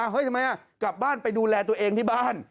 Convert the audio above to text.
เฮ้ยทำไมกลับบ้านไปดูแลตัวเองที่บ้าน